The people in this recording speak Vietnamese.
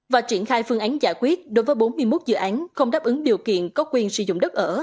và triển khai phương án giải quyết đối với bốn mươi một dự án không đáp ứng điều kiện có quyền sử dụng đất ở